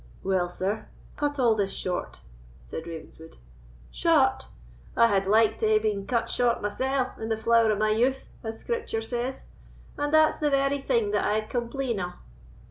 "Well, sir, cut all this short," said Ravenswood. "Short! I had like to hae been cut short mysell, in the flower of my youth, as Scripture says; and that's the very thing that I compleen o'.